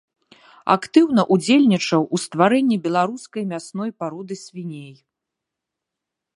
Актыўна ўдзельнічаў у стварэнні беларускай мясной пароды свіней.